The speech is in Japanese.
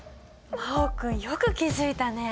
真旺くんよく気付いたね！